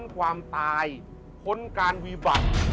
ในการนำชมสถานที่แล้วก็เล่าเรื่องราวต่างประวัติต่างหน่อย